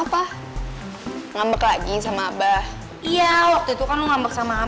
wah mn mn ternyata beragam